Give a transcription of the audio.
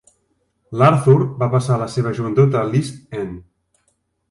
L'Arthur va passar la seva joventut a l'East End.